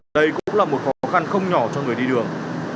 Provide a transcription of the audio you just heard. đây cũng là một khó khăn không nhỏ cho người đi đường